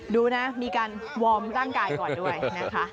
ดูนะมีการวอร์มร่างกายก่อนด้วยนะคะ